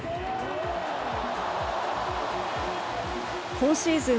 今シーズン